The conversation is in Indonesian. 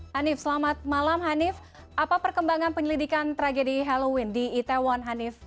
hanif selamat malam hanif apa perkembangan penyelidikan tragedi halloween di itaewon hanif